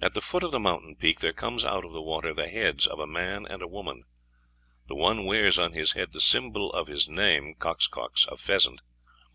At the foot of the mountain peak there comes out of the water the heads of a man and a woman. The one wears on his head the symbol of his name, Coxcox, a pheasant.